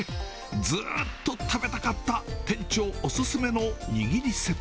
ずっと食べたかった店長お勧めの握りセット。